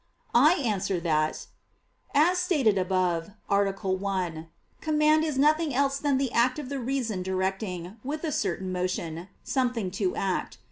I answer that, As stated above (A. 1), command is nothing else than the act of the reason directing, with a certain motion, something to act.